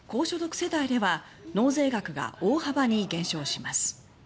世帯では納税額が大幅に減少します。